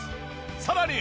さらに。